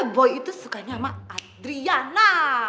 boy itu sukanya sama adriana